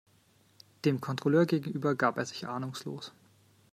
Dem Kontrolleur gegenüber gab er sich ahnungslos.